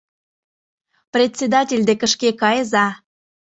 Председатель деке шке кайыза.